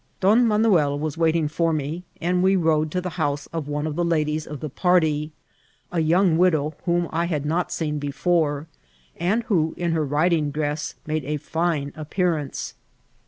Don Manuel was waiting for me, and we rode to the house of one of the ladies of the party, a young widow whom I had not seen before, and who, in her riding dress, made a fine appearance.